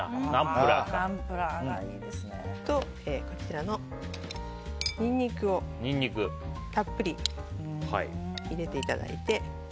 そしてこちらのニンニクをたっぷり入れていただいて。